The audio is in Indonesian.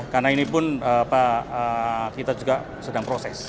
karena ini pun kita juga sedang proses